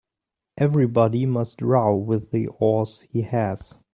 Everybody must row with the oars he has.